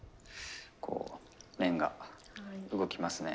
こう麺が動きますね。